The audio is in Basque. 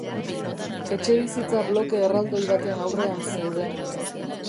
Etxebizitza bloke erraldoi baten aurrean zeuden.